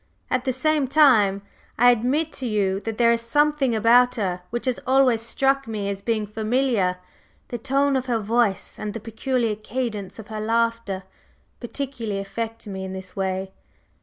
At the same time, I admit to you that there is something about her which has always struck me as being familiar. The tone of her voice and the peculiar cadence of her laughter particularly affect me in this way.